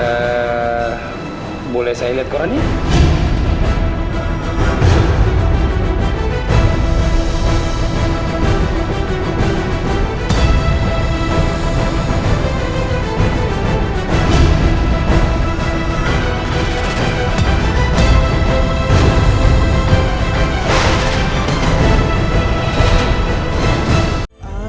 eh boleh saya lihat koran ya